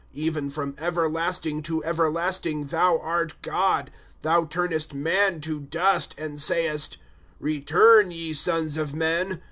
Even from everlasting to everlasting thou art God. ^ Thou turnest man to dust ; And sayest : Keturn, ye eons of men.